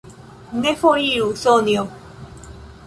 Ne foriru, Sonjo!